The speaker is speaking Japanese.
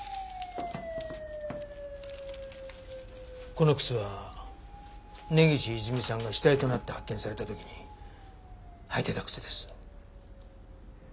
この靴は根岸いずみさんが死体となって発見された時に履いていた靴です。